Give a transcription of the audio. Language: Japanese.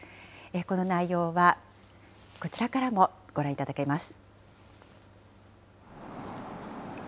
この内容は、こちらからもご覧いただけます。